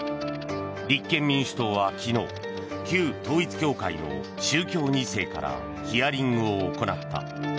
立憲民主党は昨日旧統一教会の宗教２世からヒアリングを行った。